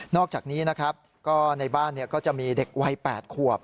อกจากนี้นะครับก็ในบ้านก็จะมีเด็กวัย๘ขวบ